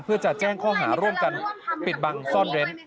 เพื่อจะแจ้งข้อหาร่วมกันปิดบังซ่อนเร้น